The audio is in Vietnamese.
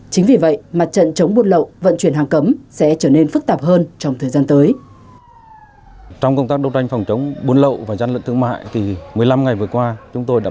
chính vì vậy mặt trận chống buôn lậu vận chuyển hàng cấm sẽ trở nên phức tạp hơn trong thời gian tới